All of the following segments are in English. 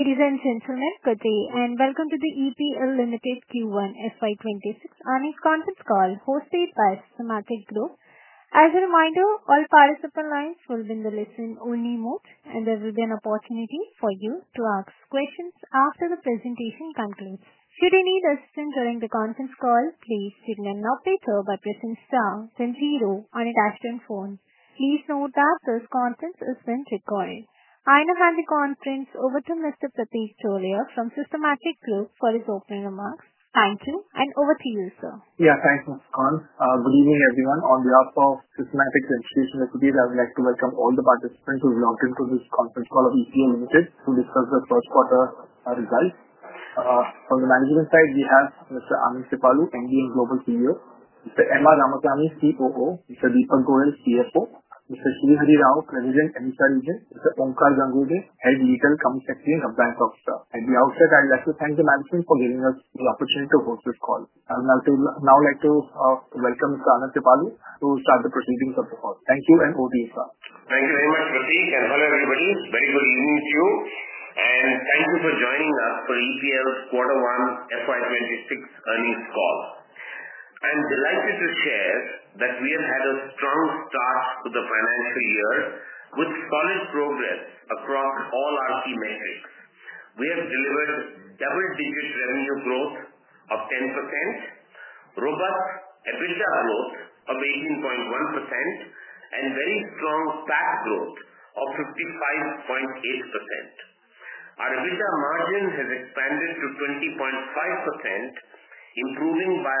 Ladies and gentlemen, good day and welcome to the EPL Limited Q1 FY 2026 Annual Conference Call hosted by Systematics Group. As a reminder, all participants will be in the listen-only mode, and there will be an opportunity for you to ask questions after the presentation concludes. Should you need assistance during the conference call, please give me an update call by pressing star then zero on your touch-tone phone. Please note that this conference is being recorded. I now hand the conference over to Mr. Pratik Tholiya from Systematics Group for his opening remarks. Thank you and over to you, sir. Yeah, thanks, Ms. Khanh. Good evening, everyone. On behalf of Systematics Institutional Equities, I would like to welcome all the participants who have logged into this conference call of EPL Limited to discuss the first quarter results. From the management side, we have Mr. Anand Kripalu, MD and Global CEO; Mr. M.R. Ramasamy, COO; Mr. Deepak Goyal, CFO; Mr. Srihari Rao, President and Interim Head; Mr. Onkar Ghangurde, Head Digital Commerce Team at the [Bank of Utah]. We also would like to thank the management for giving us the opportunity to host this call. I would now like to welcome Mr. Anand Kripalu to start the proceedings. Thank you and over to you, sir. Thank you very much, Pratik, and hello, everybody. It's very good to be with you. Thank you for joining us for EPL Quarter One FY 2026 Earnings Call. I'm delighted to share that we have had a strong start to the financial year with solid progress across all our key metrics. We have delivered double-digit revenue growth of 10%, robust EBITDA growth of 18.1%, and very strong CAC growth of 55.8%. Our EBITDA margin has expanded to 20.5%, improving by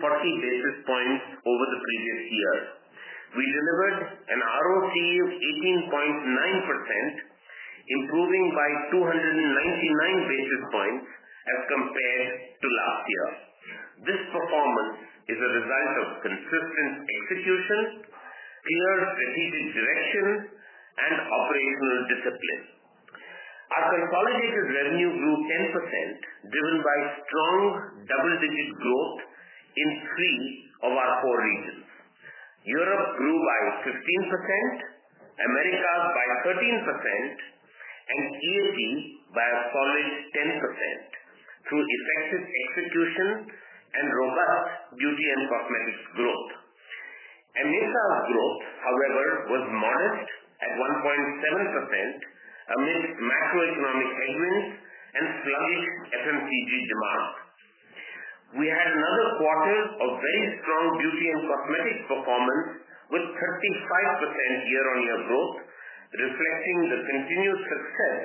140 basis points over the previous year. We delivered an ROC of 18.9%, improving by 299 basis points as compared to last year. This performance is a result of consistent execution, clear strategic direction, and operational discipline. Our consolidated revenue grew 10%, driven by strong double-digit growth in three of our core regions. Europe grew by 15%, Americas by 13%, and TLD by a solid 10% through effective execution and robust duty and cost metrics growth. Americas' growth, however, was modest at 1.7% amidst macroeconomic headwinds and sluggish FMCG demand. We had another quarter of very strong duty and cost metrics performance with 35% year-on-year growth, reflecting the continued success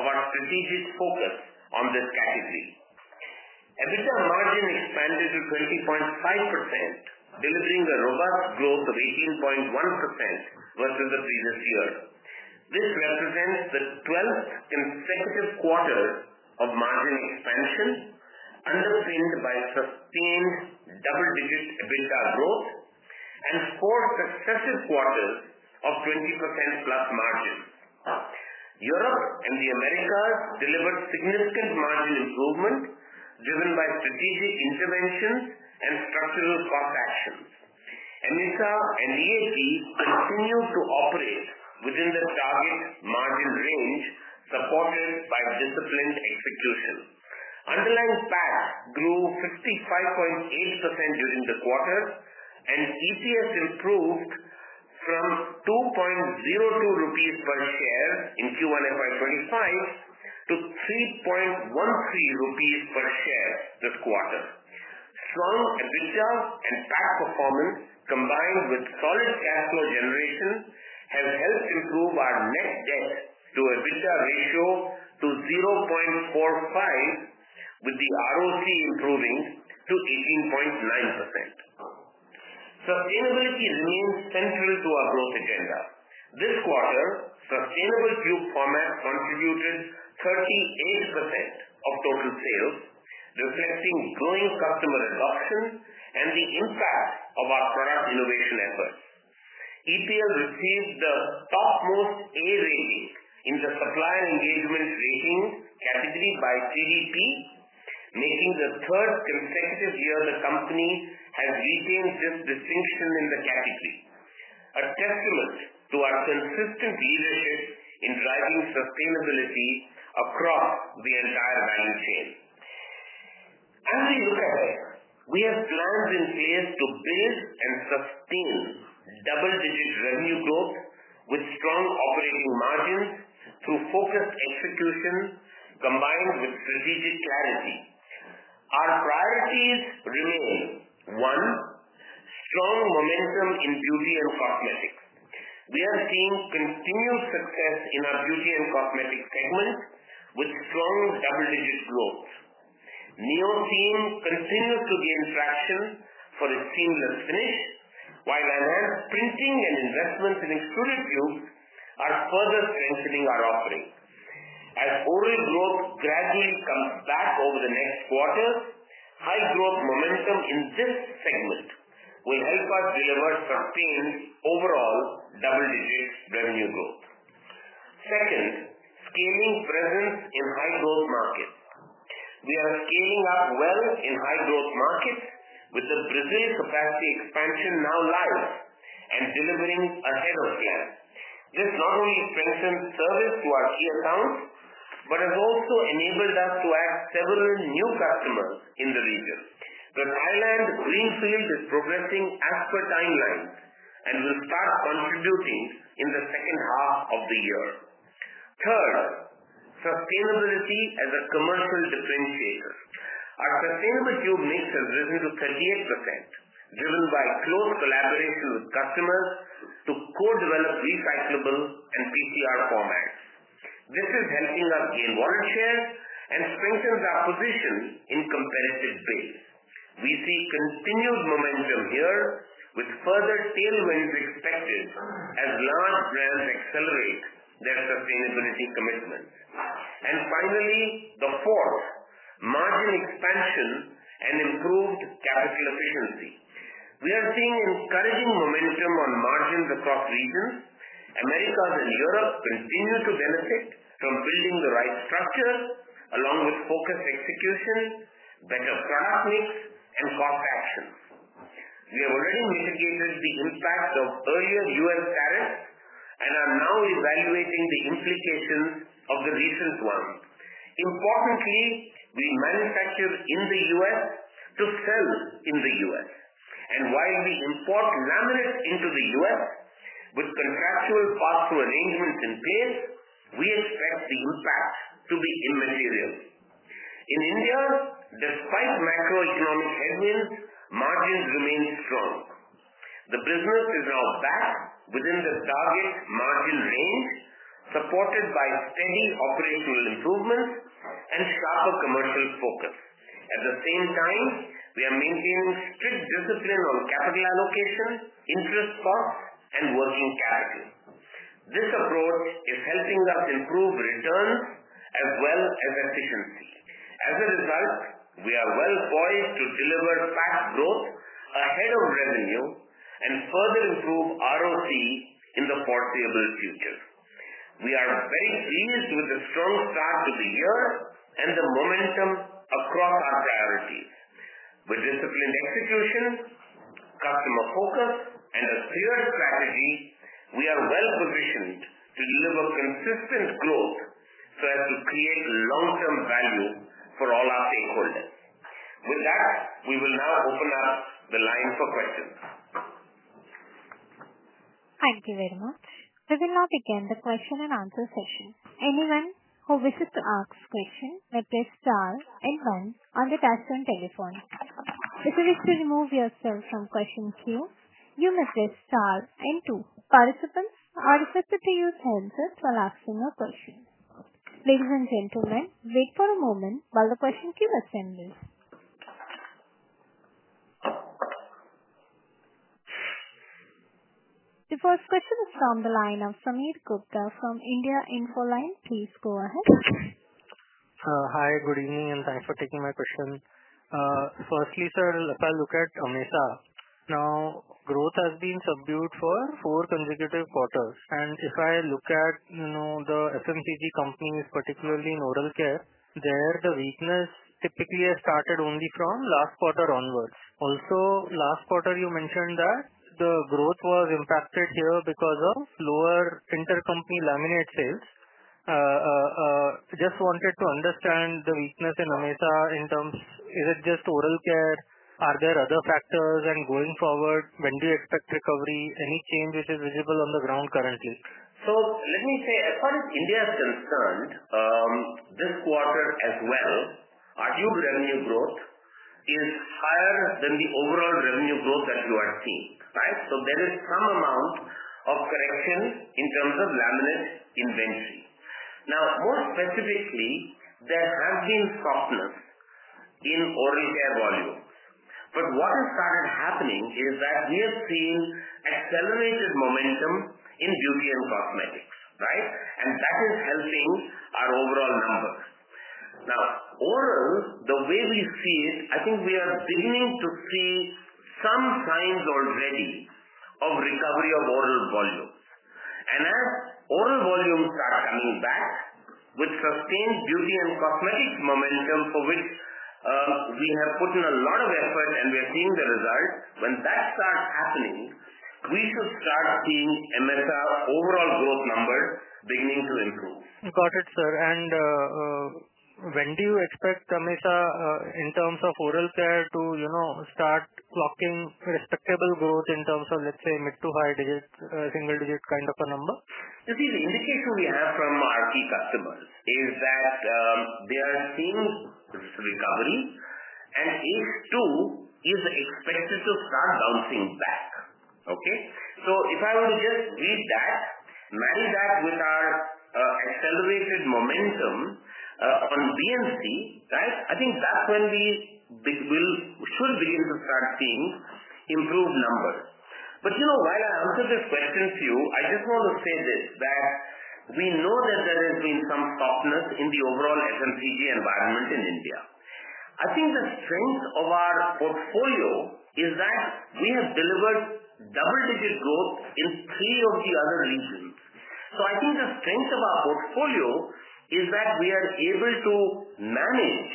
of our strategic focus on this category. EBITDA margin expanded to 20.5%, delivering a robust growth of 18.1% versus the previous year. This represents the 12th consecutive quarter of margin expansion, underpinned by sustained double-digit EBITDA growth and four successive quarters of 20%+ margins. Europe and the Americas delivered significant margin improvement, driven by strategic interventions and structural cost actions. Americas and TLD continued to operate within the target margin range, supported by disciplined execution. Underlying CAC grew 55.8% during the quarter, and its EPS improved from 2.02 rupees per share in Q1 FY 2025 to 3.13 rupees per share this quarter. Strong EBITDA and CAC performance, combined with solid cash flow generation, have helped improve our net debt-to-EBITDA ratio to 0.45x, with the ROC improving to 18.9%. Sustainability remains central to our growth agenda. This quarter, sustainable PUC formats contributed 38% of total sales, reflecting growing customer adoption and the impact of our product innovation efforts. EPL Limited received the topmost EV rating in the Supply and Engagement Rating category by PDC, making this the third consecutive year the company has retained this distinction in the category, a testament to our consistent leadership in driving sustainability across the entire value chain. As a result, we have plans in place to build and sustain double-digit revenue growth with strong operating margins through focused execution combined with strategic clarity. Our priorities remain: one, strong momentum in beauty and cosmetics. We are seeing continued success in our beauty and cosmetics segments with strong double-digit growth. NEOSeam continues to gain traction for its seamless finish, while other printing and investments in exterior tubes are further strengthening our offering. As overall growth gradually comes back over the next quarter, high growth momentum in this segment will help us deliver sustained overall double-digit revenue growth. Second, scaling presence in high-growth markets. We are scaling up well in high-growth markets with the Brazil capacity expansion now live and delivering ahead of plan. This not only strengthens service to our key accounts but has also enabled us to add several new customers in the region. The Thailand Greenfield is progressing as per timelines and will start contributing in the second half of the year. Third, sustainability as a commercial differentiator. Our sustainable tube mix has risen to 38%, driven by close collaboration with customers to co-develop recyclable and PUC formats. This is helping us gain volumes and strengthens our position in competitive bids. We see continued momentum here with further tailwinds expected as large brands accelerate their sustainability commitments. Finally, the fourth, margin expansion and improved capital efficiency. We are seeing encouraging momentum on margins across regions. Americas and Europe continue to benefit from building the right structure along with focused execution, better product mix, and cost actions. We have already mitigated the impact of earlier U.S. tariffs and are now evaluating the implications of the recent one. Importantly, we manufacture in the U.S. to sell in the U.S. While we import laminate into the U.S. with contractual pass-through arrangements in place, we expect the impact to be immaterial. In India, despite macroeconomic headwinds, margins remain strong. The business is now back within the target margin range, supported by steady operational improvements and sharper commercial focus. At the same time, we are maintaining strict discipline on capital allocation, interest costs, and working capital. This approach is helping us improve returns as well as efficiency. As a result, we are well poised to deliver fast growth ahead of revenue and further improve ROC in the foreseeable future. We are very pleased with the strong start to the year and the momentum across our priorities. With disciplined execution, customer focus, and a clear strategy, we are well positioned to deliver consistent growth so as to create long-term value for all our stakeholders. With that, we will now open up the line for questions. Thank you very much. We will now begin the question and answer session. Anyone who wishes to ask questions may press star and one on the touch-tone telephone. If you wish to remove yourself from the question queue, you may press star and two. Participants are instructed to use handsets while asking a question. Ladies and gentlemen, please wait for a moment while the question queue is ending. The first question is from the line of Sameer Gupta from India Info Line. Please go ahead. Hi. Good evening and thanks for taking my question. Firstly, sir, if I look at EPL, now growth has been subdued for four consecutive quarters. If I look at, you know, the FMCG companies, particularly in oral care, there, the weakness typically has started only from last quarter onwards. Also, last quarter, you mentioned that the growth was impacted here because of lower intercompany laminate sales. I just wanted to understand the weakness in EPL in terms of is it just oral care? Are there other factors? Going forward, when do you expect recovery? Any change which is visible on the ground currently? As far as India is concerned, this quarter as well, our huge revenue growth is higher than the overall revenue growth that you are seeing, right? There is some amount of correction in terms of laminate inventory. More specifically, there has been a softness in oral care volumes. What has started happening is that we have seen accelerated momentum in beauty and cosmetics, right? That is helping our overall numbers. Now, oral, the way we see it, I think we are beginning to see some signs already of recovery of oral volumes. As oral volumes are coming back with sustained beauty and cosmetic momentum, for which we have put in a lot of effort and we are seeing the result, when that starts happening, we should start seeing overall growth numbers beginning to improve. Got it, sir. When do you expect, Anand, in terms of oral care, to start clocking respectable growth in terms of, let's say, mid to high single-digit kind of a number? The indication we have from our key customers is that they are seeing some recoveries. H2 is the expenses of that bouncing back, okay? If I were to just read that, marry that with our accelerated momentum on DMC, I think that's when we should begin to start seeing improved numbers. While I answer this question to you, I just want to say this, that we know that there has been some softness in the overall FMCG environment in India. I think the strength of our portfolio is that we have delivered double-digit growth in three of the other regions. I think the strength of our portfolio is that we are able to manage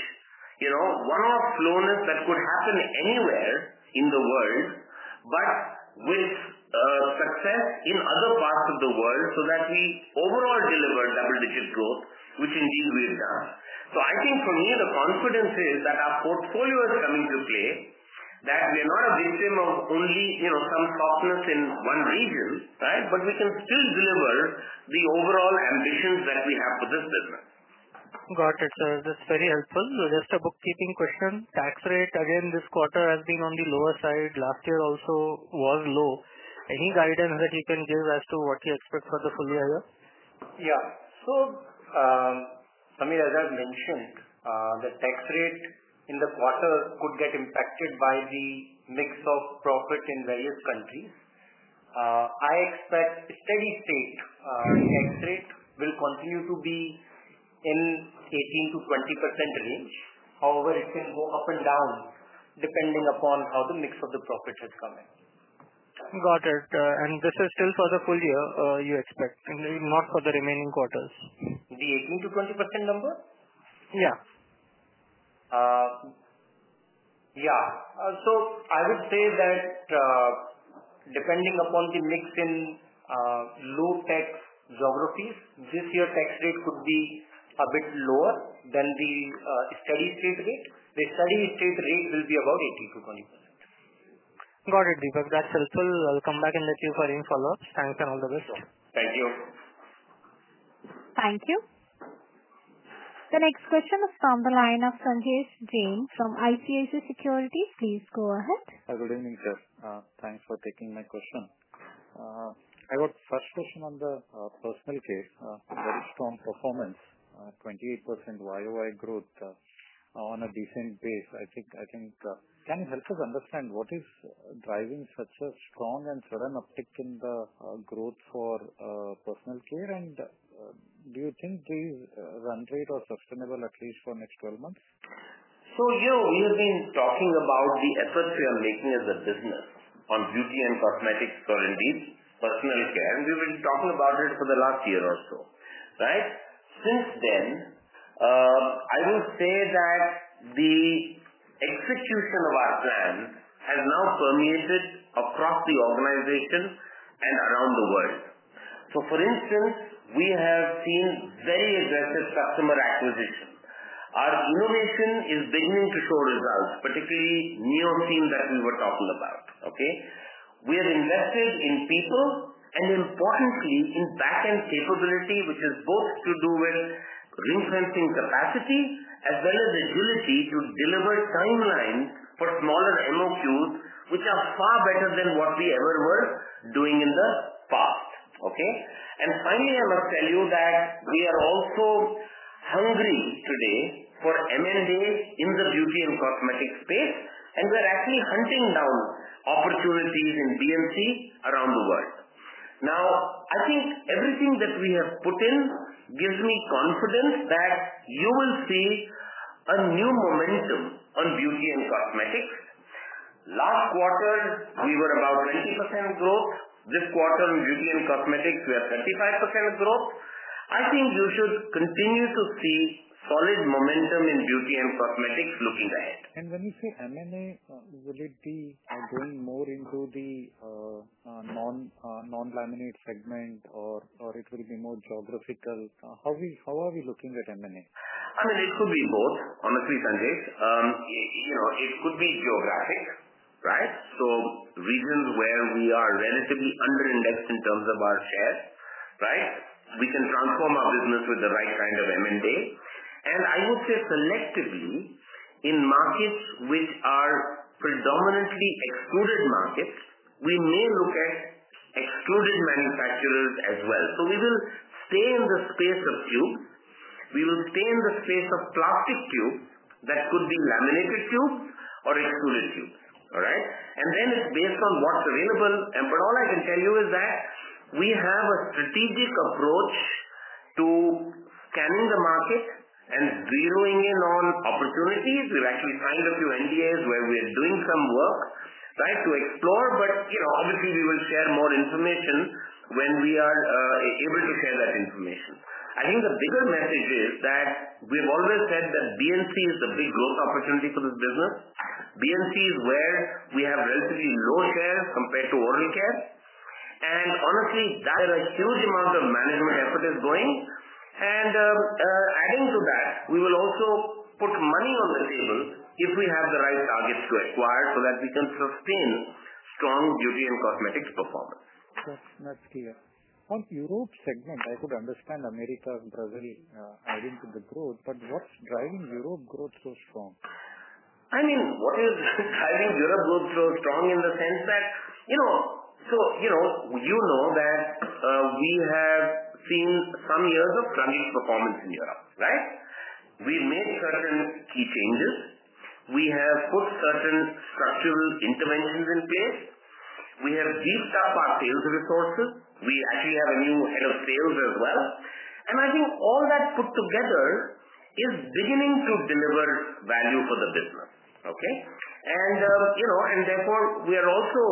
one-off slowness that could happen anywhere in the world, with success in other parts of the world so that we overall deliver double-digit growth, which indeed we've done. For me, the confidence is that our portfolio is coming to play, that we are not a victim of only some softness in one region, but we can still deliver the overall ambitions that we have for this business. Got it, sir. That's very helpful. Just a bookkeeping question. Tax rate, again, this quarter has been on the lower side. Last year also was low. Any guidance that you can give as to what you expect for the full year ahead? Yeah. As I've mentioned, the tax rate in the quarter could get impacted by the mix of profit in various countries. I expect a steady state net rate will continue to be in the 18%-20% range. However, it can go up and down depending upon how the mix of the profits is coming. Got it. This is still for the full year, you expect, and not for the remaining quarters? The 18%-20% number? Yeah. Yeah, I would say that, depending upon the mix in low-tax geographies, this year's tax rate could be a bit lower than the steady state rate. The steady state rate will be about 18%-20%. Got it, Deepak. That's helpful. I'll come back in with you for any follow-ups. Thanks and all the best. Thank you. Thank you. The next question is from the line of Sanjay Jain from ITI Securities. Please go ahead. Hi, good evening, sir. Thanks for taking my question. I got the first question on the personal care. Very strong performance, 28% YOI growth on a decent base. Can you help us understand what is driving such a strong and sudden uptick in the growth for personal care? Do you think the run rate was sustainable at least for the next 12 months? We have been talking about the efforts we are making as a business on beauty and cosmetics for India's personal care. We've been talking about it for the last year or so, right? Since then, I would say that the execution of our brand has now permeated across the organization and around the world. For instance, we have seen very aggressive customer acquisition. Our innovation is beginning to show results, particularly NEOSeam that we were talking about, okay? We have invested in people and, importantly, in backend capability, which is both to do with refinancing capacity as well as agility to deliver timelines for smaller MOQs, which are far better than what we ever were doing in the past, okay? Finally, I must tell you that we are also hungry today for M&A in the beauty and cosmetics space. We're actually hunting down opportunities in DMC around the world. I think everything that we have put in gives me confidence that you will see a new momentum on beauty and cosmetics. Last quarter, we were about 20% growth. This quarter, in beauty and cosmetics, we have 35% of growth. I think you should continue to see solid momentum in beauty and cosmetics looking ahead. When you say M&A, will it be going more into the non-laminate segment or will it be more geographical? How are we looking at M&A? I mean, it could be both, honestly, Sanjay. It could be geographic, right? Regions where we are relatively under-indexed in terms of our shares, right? We can transform our business with the right kind of M&A. I would say selectively in markets which are predominantly excluded markets, we may look at excluded manufacturers as well. We will stay in the space of tubes. We will stay in the space of plastic tubes that could be laminated tubes or excluded tubes, all right? It's based on what's available. All I can tell you is that we have a strategic approach to scanning the market and zeroing in on opportunities. We've actually signed a few NDAs where we're doing some work to explore. Obviously, we will share more information when we are able to share that information. I think the bigger message is that we've always said that DMC is the big growth opportunity for this business. DMC is where we have relatively low shares compared to oral care. Honestly, that is where a huge amount of management effort is going. Adding to that, we will also put money on the table if we have the right targets to acquire so that we can sustain strong beauty and cosmetics performance. That's clear. On the Europe segment, I could understand Americas and Brazil adding to the growth. What's driving Europe growth so strong? What is driving Europe growth so strong in the sense that, you know, we have seen some years of crummy performance in Europe, right? We've made certain key changes. We have put certain structural interventions in place. We have beefed up our sales resources. We actually have a new Head of Sales as well. I think all that put together is beginning to deliver value for the business, okay? Therefore, we are also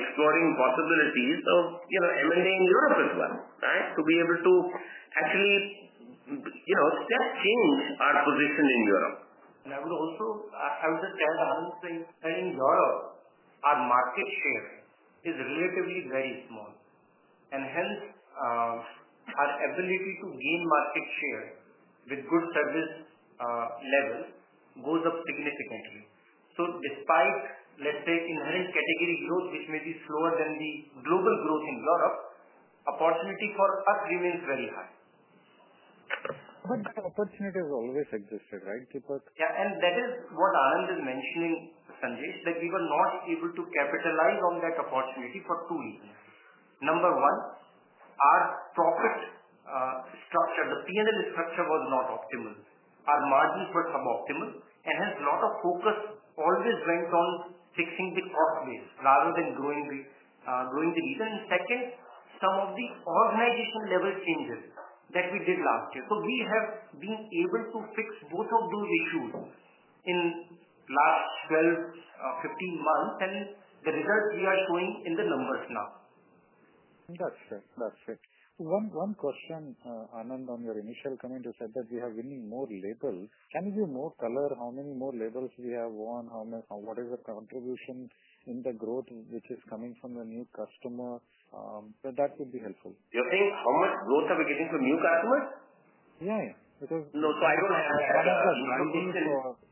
exploring possibilities of M&A in Europe as well, right, to be able to actually see how things are positioned in Europe. I would just add, Anand saying, I think in Europe, our market share is relatively very small. Hence, our ability to gain market share with good service levels goes up significantly. Despite, let's say, inherent category growth, which may be slower than the global growth in Europe, opportunity for us remains very high. The opportunity has always existed, right, Deepak? Yeah. That is what Anand is mentioning, Sanjay, that we were not able to capitalize on that opportunity for two reasons. Number one, our profit structure, the P&L structure, was not optimal. Our margins were suboptimal. Hence, a lot of focus always went on fixing the cost base rather than growing the result. In second, some of the organizational level changes that we did last year. We have been able to fix both of those issues in the last 12 months-15 months, and the results are showing in the numbers now. That's perfect. One question, Anand, on your initial comment. You said that you have been in more labels. Can you give more color? How many more labels do you have on? How much? What is your contribution in the growth which is coming from the new customer? That would be helpful. You're saying how much growth are we getting from new customers? Yeah, yeah, because. No, I don't have that. One of the drivers was running the. Sorry?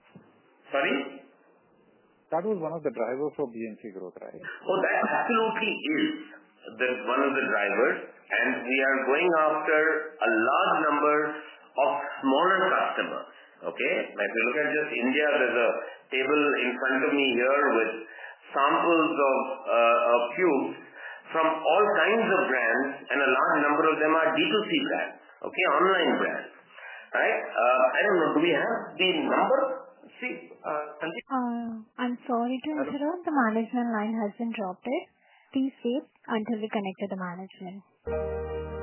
That was one of the drivers for P&C growth, right? Oh, that absolutely is one of the drivers. We are going after a large number of smaller customers, okay? If you look at just India, there's a table in front of me here with samples of tubes from all kinds of brands. A large number of them are D2C brands, online brands, right? I don't know. Do we have the number? Let's see. Sanjay? I'm sorry to interrupt. The management line has been dropped. Please wait until we connect you to management.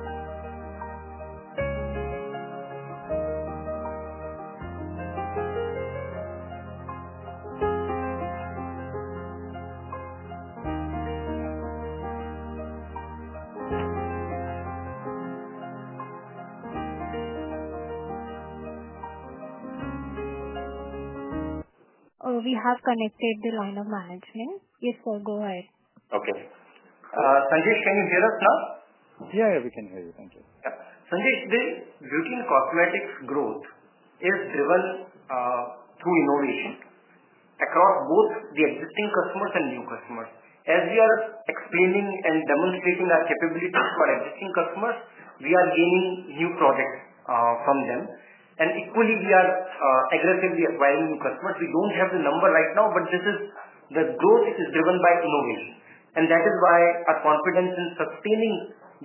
Oh, we have connected the line of management. Please go ahead. Okay. Sanjay, can you hear us now? Yeah, yeah, we can hear you. Thank you. Yeah. Sanjay, today, beauty and cosmetics growth is driven through innovation across both the existing customers and new customers. As we are explaining and demonstrating our capabilities for existing customers, we are gaining new products from them. We are equally aggressively acquiring new customers. We don't have the number right now, but this is the growth which is driven by innovation. That is why our confidence in sustaining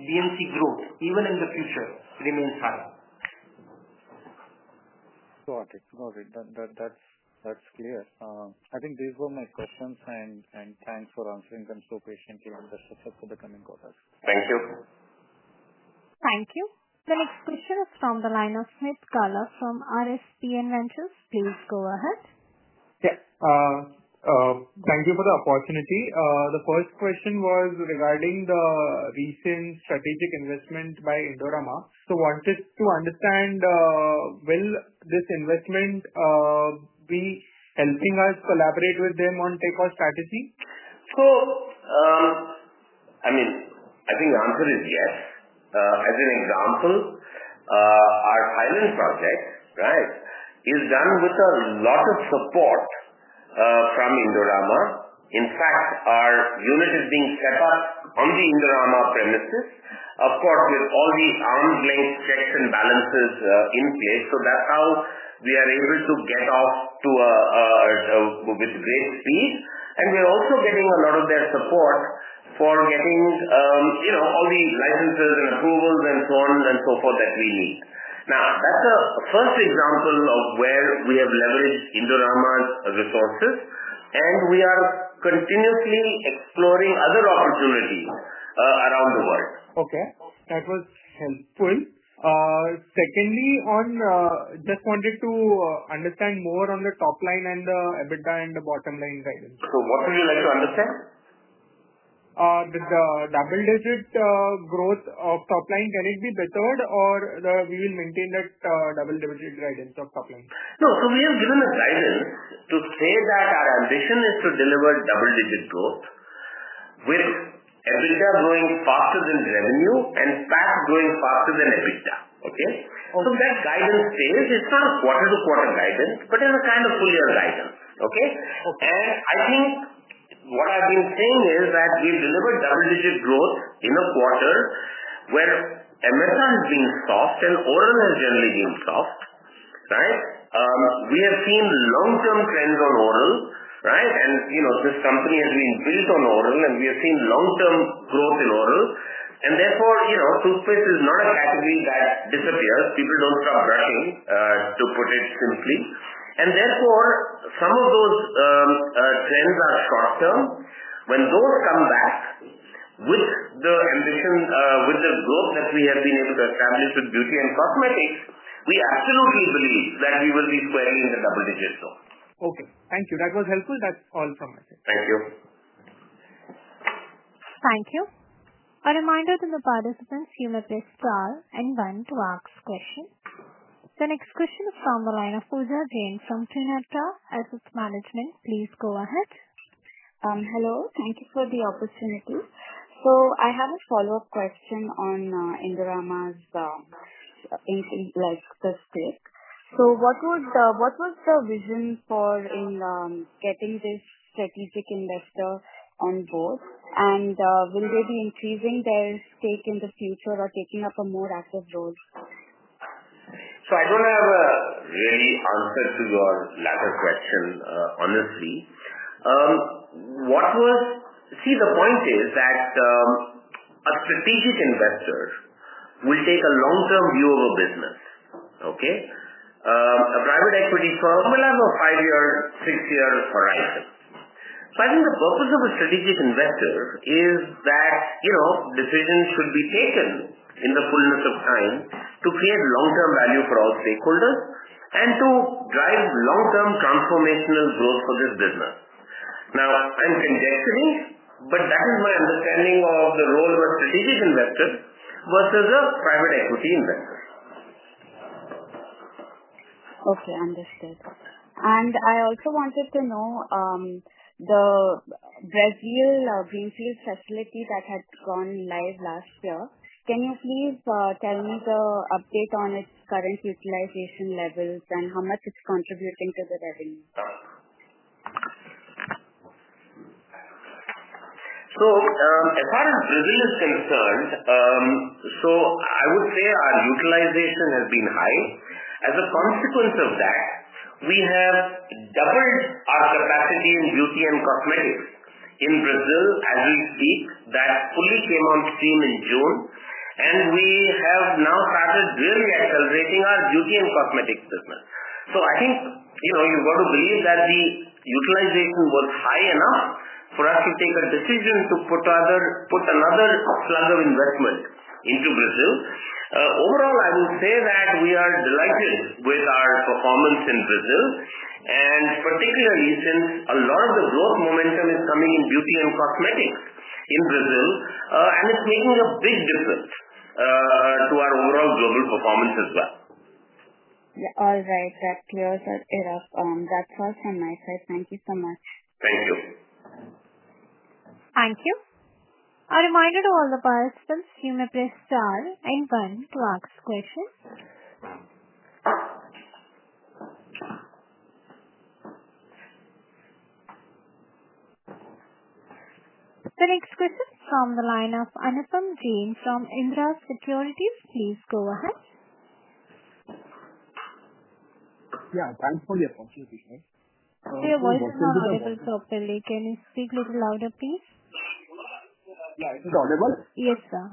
DMC growth, even in the future, remains high. Got it. Got it. That's clear. I think these were my questions. Thanks for answering them so patiently and the success of the coming quarter. Thank you. Thank you. The next question is from the line of Smith Gala from RSPN Ventures. Please go ahead. Yes, thank you for the opportunity. The first question was regarding the recent strategic investment by Indorama. I wanted to understand, will this investment be helping us collaborate with them on takeoff strategy? I think the answer is yes. As an example, our Thailand project is done with a lot of support from Indorama. In fact, our unit is being set up on the Indorama premises, of course, with all the arm's-length checks and balances in place. That's how we are able to get off to, with great speed. We're also getting a lot of their support for getting all the licenses and approvals and so on and so forth that we need. That's a first example of where we have leveraged Indorama's resources. We are continuously exploring other opportunities around the world. Okay, that was helpful. Secondly, just wanted to understand more on the top line and the EBITDA and the bottom line guidance. What would you like to understand? The double-digit growth of top line. Can it be bettered, or will we maintain that double-digit guidance of top line? We have given a guidance to say that our ambition is to deliver double-digit growth with EBITDA growing faster than revenue and CAC growing faster than EBITDA, okay? That guidance phase is sort of quarter-to-quarter guidance, but in a kind of full-year guidance, okay? I think what I've been saying is that we've delivered double-digit growth in a quarter where MSR has been soft and Oral has generally been soft, right? We have seen long-term trends on Oral, right? You know this company has been built on Oral. We have seen long-term growth in Oral. Therefore, you know, toothpaste is not a category that disappears. People don't stop brushing, to put it simply. Therefore, some of those trends are short-term. When those come back with the ambition, with the growth that we have been able to establish with beauty and cosmetics, we absolutely believe that we will be playing in the double-digit zone. Okay. Thank you. That was helpful. That's all from my side. Thank you. Thank you. A reminder to the participants who may press star and one to ask questions. The next question is from the line of Pooja Jain from Trinetra Asset Management. Please go ahead. Hello. Thank you for the opportunity. I have a follow-up question on Indorama's inflow test. What was the vision for getting this strategic investor on board? Will they be increasing their stake in the future or taking up a more active role? I don't have a real answer to your latter question, honestly. The point is that a strategic investor will take a long-term view of a business. A private equity firm will have a five-year, six-year horizon. I think the purpose of a strategic investor is that decisions should be taken in the fullness of time to create long-term value for our stakeholders and to drive long-term transformational growth for this business. I'm convinced, but that was my understanding of the role of a strategic investor versus a private equity investor. Okay. Understood. I also wanted to know, the Brazil Greenfield facility that had gone live last year, can you please tell me the update on its current utilization levels and how much it's contributing to the revenue? As far as Brazil is concerned, I would say our utilization has been high. As a consequence of that, we have doubled our capacity in beauty and cosmetics in Brazil as we speak. That fully came on stream in June, and we have now started really accelerating our beauty and cosmetics business. I think you have got to believe that the utilization was high enough for us to take a decision to put another slug of investment into Brazil. Overall, I would say that we are delighted with our performance in Brazil, particularly since a lot of the growth momentum is coming in beauty and cosmetics in Brazil, and it's making a big difference to our overall global performance as well. All right. That clears it up. That's all from my side. Thank you so much. Thank you. Thank you. A reminder to all the participants you may press star and one to ask questions. The next question is from the line of Anupam Jain from Indira Securities. Please go ahead. Yeah, thanks for the opportunity. We are going to the audience after lunch. Can you speak a little louder, please? Yeah, is it audible? Yes, sir.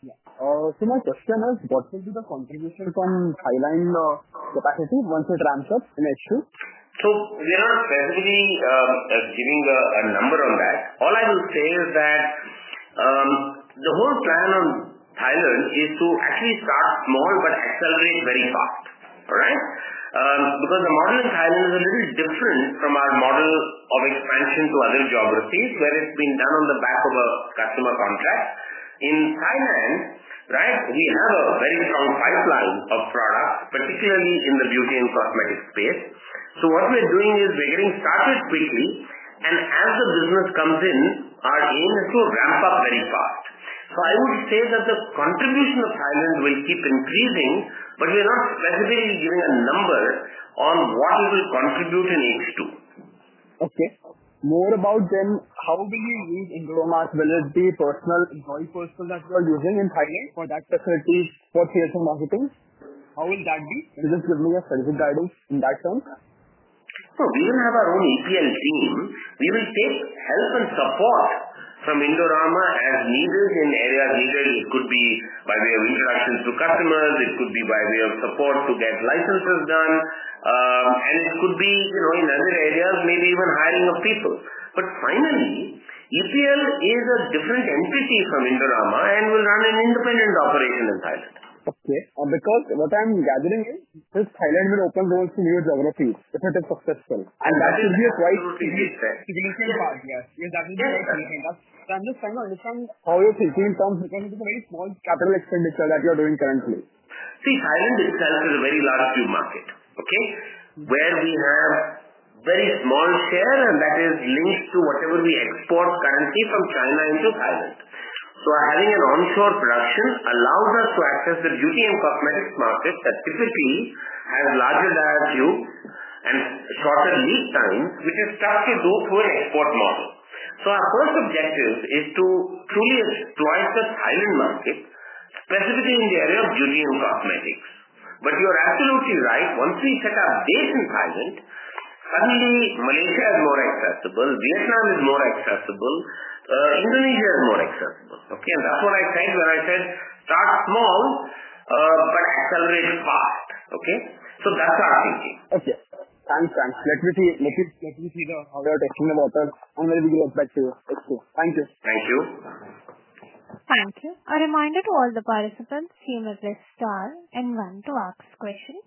My question is, what will be the contribution from Thailand capacity once it ramps up in H2? We are not basically giving a number on that. All I will say is that the whole plan of Thailand is to actually start small but accelerate very fast, all right? The model in Thailand is a little different from our model of expansion to other geographies where it's been done on the back of a customer contract. In Thailand, we have a very strong pipeline of products, particularly in the beauty and cosmetics space. What we're doing is we're getting started quickly, and as the business comes in, our aim is to ramp up very fast. I would say that the contribution of Thailand will keep increasing, but we are not specifically giving a number on what we will contribute in H2. Okay. More about then, how do you use Indorama's validity personal employee person that you are using in Thailand for that facility's for theater marketing? How will that be? Will you give me a specific guidance in that term? We will have our own EPL team. We will take help and support from Indorama as needed. In areas needed, it could be by way of introductions to customers, support to get licenses done, and in other areas, maybe even hiring of people. Finally, EPL is a different entity from Indorama and will run an independent operation in Thailand. Okay. Because what I'm gathering is, first, Thailand will open doors to new geographies if it is successful. That is the advice we give there. Significant part, yes. We're gathering the advice from that. I'm just trying to understand how your thinking comes again to the very small CapEx that you are doing currently. Thailand itself is a very large market, where we have a very small share, and that is linked to whatever we export currently from China into Thailand. Having an onshore production allows us to access the beauty and cosmetics market that typically has larger labs and shorter lead time, which is stuff we go through an export model. Our first objective is to truly exploit the Thailand market, specifically in the area of beauty and cosmetics. You're absolutely right. Once we check our base in Thailand, suddenly Malaysia is more accessible, Vietnam is more accessible, Indonesia is more accessible. That's what I said when I said, "Start small, but accelerate fast." That's our thinking. Okay. Thanks, guys. Let me see if it's the other question about the analytical objective. Thank you. Thank you. Thank you. A reminder to all the participants who may press star and one to ask questions.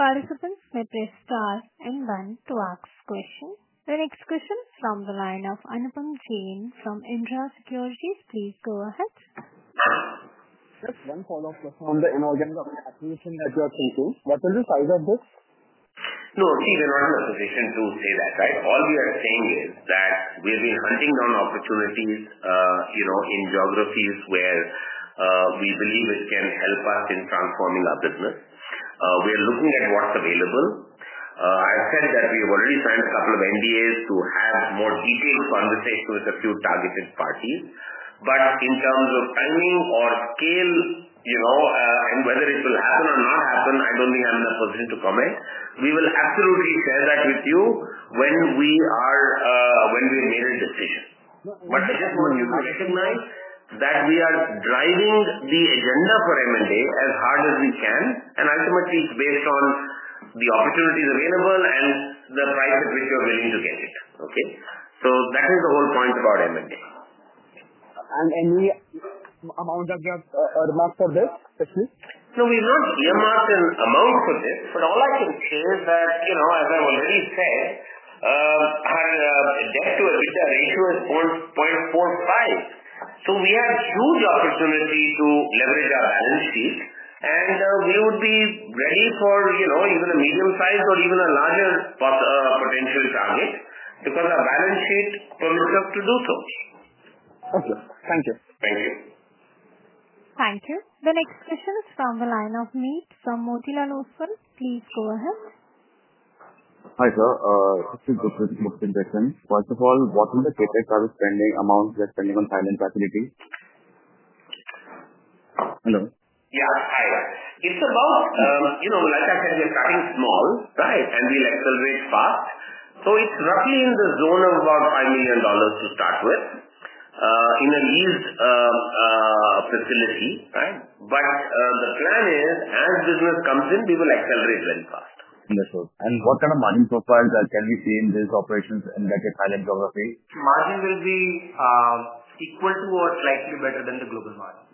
Participants may press star and one to ask questions. The next question is from the line of Anupam Jain from Indira Securities. Please go ahead. Just one follow-up question on the M&A or the acquisition that you are thinking. What will the size of this? Sure. The emerging acquisitions don't say that, right? All we are saying is that we have been hunting down opportunities in geographies where we believe it can help us in transforming our business. We are looking at what's available. I have said that we have already signed a couple of NDAs to have more detailed conversations with a few targeted parties. In terms of timing or scale, and whether it will happen or not happen, I don't think I'm in a position to comment. We will absolutely share that with you when we have made a decision. I just want you to recognize that we are driving the agenda for M&A as hard as we can. Ultimately, it's based on the opportunities available and the price at which you are willing to get it, okay? That is the whole point about M&A. there any amount that you have earmarked for this business? We've not earmarked an amount for this. All I will say is that, you know, as I've already said, our net debt-to-EBITDA ratio is 4.45. We have huge opportunity to leverage our balance sheet, and we would be ready for, you know, even a medium-sized or even a larger potential target because our balance sheet permits us to do so. Thank you. Thank you. Thank you. The next question is from the line of [Mik from]. Please go ahead. Hi, sir. It's a good question. First of all, what will the CTEC outstanding amount be spending on Thailand facilities? Hello. Hi. It's about, you know, like I said, we're starting small, right? We accelerate fast. It's roughly in the zone of about $1 million to start with, in at least a fifth of a year, right? The plan is as business comes in, we will accelerate when cost. Understood. What kind of margin profile can we see in these operations in the Thailand geographies? Margin will be equal to or slightly better than the global market.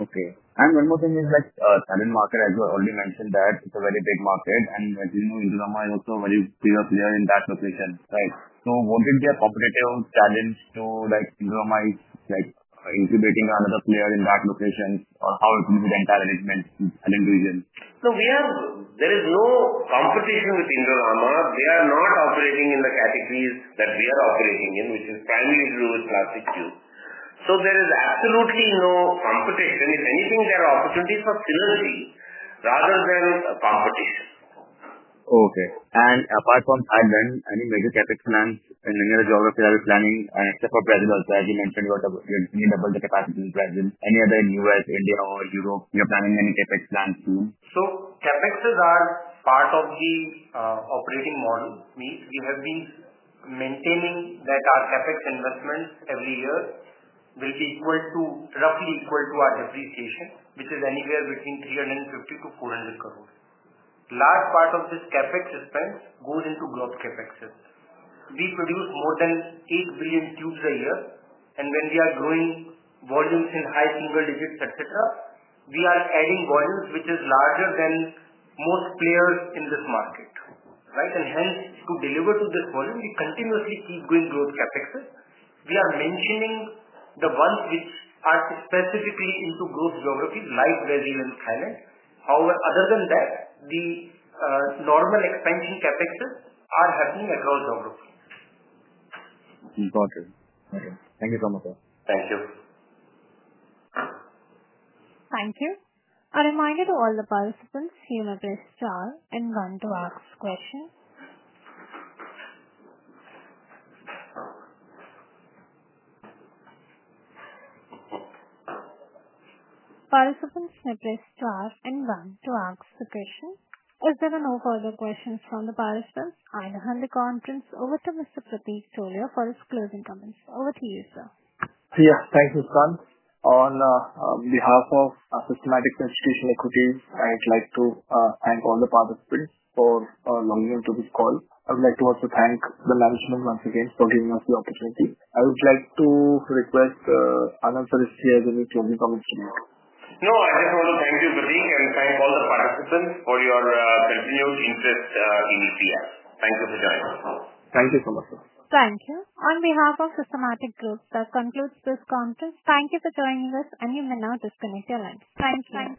Okay. One more thing is that the Thailand market, as you already mentioned, is a very big market. As you know, Indorama is also a very big player in that location, right? What will be a competitive challenge to Indorama incubating another player in that location? How will it impact management in the Thailand region? There is no competition with Indorama. They are not operating in the categories that we are operating in, which is primarily growth plastic tube. There is absolutely no competition. If anything, there are opportunities for synergy rather than parity. Okay. Apart from Thailand, any major CapEx plans in the near geography are you planning, except for Brazil as you mentioned? You're thinking about the capacity in Brazil. Any other in the U.S., India, or Europe? You're planning any CapEx plans soon? CapEx is part of the operating model. We have been maintaining that our CapEx investments every year will be roughly equal to our depreciation, which is anywhere between 350 crore-400 crore. A large part of this CapEx expense goes into growth CapEx. We produce more than 8 billion tubes a year, and when we are growing volumes in high single digits, we are adding volumes which are larger than most players in this market, right? Hence, to deliver to this volume, we continuously keep doing growth CapEx. We are mentioning the ones which are specifically into growth geographies like Brazil and Thailand. However, other than that, the normal expansion CapEx is happening across geographies. Got it. Okay. Thank you so much. Thank you. Thank you. A reminder to all the participants who may press star and one to ask questions. Participants may press star and one to ask a question. If there are no further questions from the participants, I'll hand the contents over to Mr. Pratik Cholya for his closing comments. Over to you, sir. Yes. Thank you, Khanh. On behalf of Systematics Institutional Equities, I'd like to thank all the participants for allowing me to this call. I would like to also thank the management once again for giving us the opportunity. I would like to request Anand Kripalu as any closing comments from you. No, I just want to thank you, really, and thank all the participants for your continued interest in EPL. Thank you for joining us. Thank you so much, sir. Thank you. On behalf of Systematics Group, that concludes this conference. Thank you for joining us. You may now disconnect your lines. Thanks, thanks.